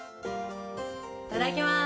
いただきます。